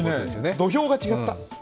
土俵が違った？